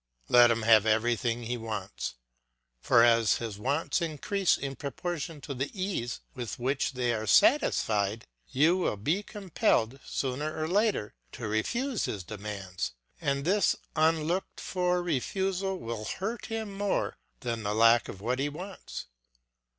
Let him have everything he wants; for as his wants increase in proportion to the ease with which they are satisfied, you will be compelled, sooner or later, to refuse his demands, and this unlooked for refusal will hurt him more than the lack of what he wants.